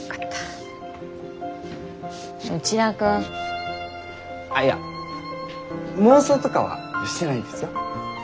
内田君。いや妄想とかはしてないですよ？